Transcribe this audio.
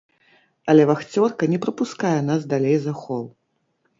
Але вахцёрка не прапускае нас далей за хол.